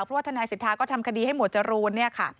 เพราะว่าทนายสิทธาก็ทำคดีให้หมวดจรูน